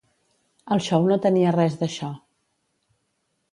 El xou no tenia res d'això.